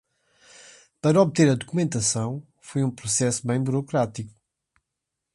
Para obter a documentação, foi um processo bem burocrático